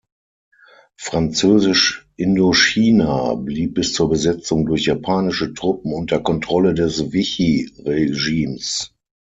Französisch-Indochina blieb bis zur Besetzung durch japanische Truppen unter Kontrolle des Vichy-Regimes.